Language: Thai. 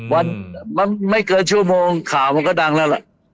วันมันไม่เกินชั่วโมงข่าวมันก็ดังแล้วล่ะ